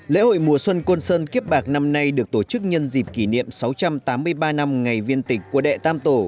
lễ hội mùa xuân côn sơn kiếp bạc năm nay được tổ chức nhân dịp kỷ niệm sáu trăm tám mươi ba năm ngày viên tịch của đệ tam tổ